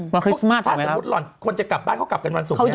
คุณกลับรออย่างเกี่ยวกันในวันวันศุกร์เนี่ย